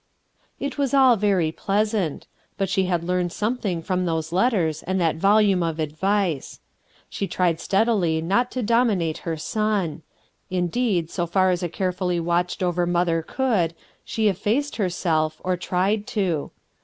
It was all very pleasant. But f he had Ifiarn^l something from those letters and that volume of advice. She tried steadily not to dominate her fcon ; indeed, m far as a carefully watcbed over mother could, she effaced herself, or tried to.